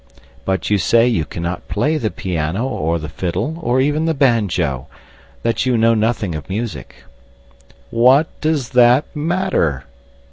But you say you cannot play the piano or the fiddle, or even the banjo; that you know nothing of music. What does that matter?